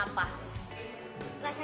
suka sayuran enggak